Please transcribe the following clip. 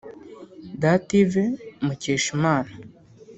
Dative Mukeshimana